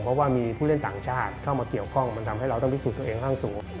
เพราะว่ามีผู้เล่นต่างชาติเข้ามาเกี่ยวข้องมันทำให้เราต้องพิสูจน์ตัวเองข้างสูง